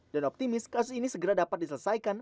dan optimis kasus ini segera dapat diselesaikan